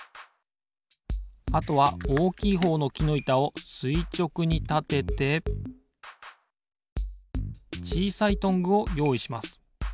あとはおおきいほうのきのいたをすいちょくにたててちいさいトングをよういします。